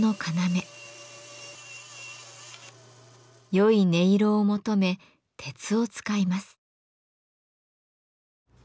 良い音色を求め鉄を使います。